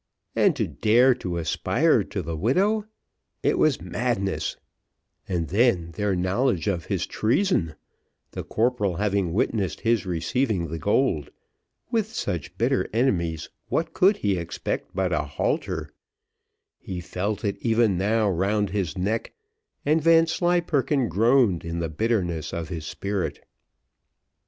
and to dare to aspire to the widow it was madness and then their knowledge of his treason the corporal having witnessed his receiving the gold with such bitter enemies what could he expect but a halter he felt it even now round his neck, and Vanslyperken groaned in the bitterness of his spirit.